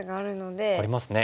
ありますね。